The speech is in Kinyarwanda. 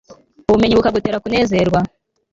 ubumenyi bukagutera kunezerwa